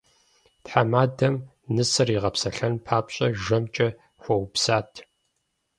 Тхьэмадэм нысэр игъэпсэлъэн папщӏэ жэмкӏэ хуэупсат.